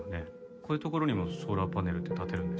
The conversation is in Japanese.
こういう所にもソーラーパネルって立てるんですか？